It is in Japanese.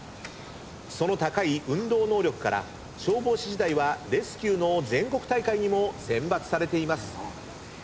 その高い運動能力から消防士時代はレスキューの全国大会にも選抜されています。